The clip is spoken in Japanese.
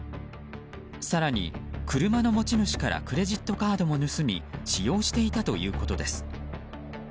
更に車の持ち主からクレジットカードも盗み使用していたということです。